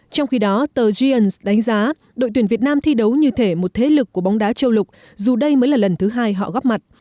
trong khi đó tờ jiance đánh giá đội tuyển việt nam thi đấu như thể một thế lực của bóng đá châu lục dù đây mới là lần thứ hai họ góp mặt